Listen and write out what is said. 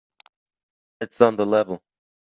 It's on the level.